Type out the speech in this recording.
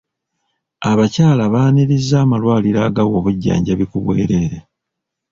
Abakyala baaniriza amalwaliro agawa obujjanjabi ku bwereere.